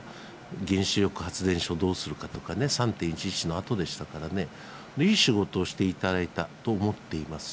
原子力発電所どうするかとかね、３・１１のあとでしたからね、いい仕事をしていただいたと思っています。